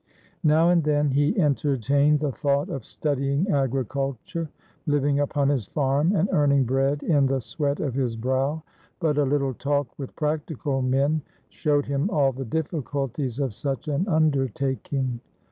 Now and then he entertained the thought of studying agriculture, living upon his farm, and earning bread in the sweat of his brow; but a little talk with practical men showed him all the difficulties of such an undertaking.